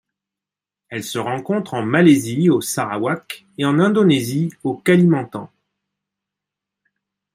Elle se rencontre en Malaisie au Sarawak et en Indonésie au Kalimantan.